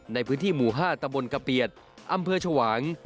ในพื้นที่หมู่๕ตะบนกะเปียดอำเภอชวาง